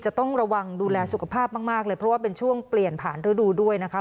จะต้องระวังดูแลสุขภาพมากเลยเพราะว่าเป็นช่วงเปลี่ยนผ่านฤดูด้วยนะคะ